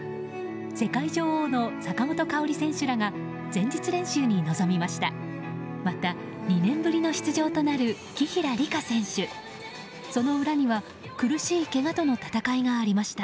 世界女王の坂本花織選手らが前日練習に臨みました。